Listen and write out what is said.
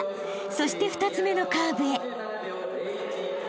［そして２つ目のカーブへ］